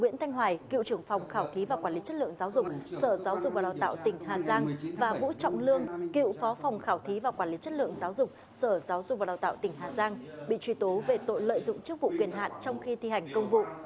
bị truy tố về tội lợi dụng chức vụ quyền hạn trong khi thi hành công vụ